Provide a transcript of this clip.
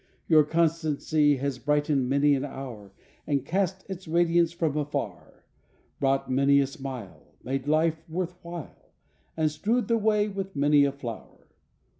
Your constancy has brightened many an hour 24 LIFE WAVES And cast its radiance from afar, Brought many a smile Made life worth while And strewed the way with many a flower.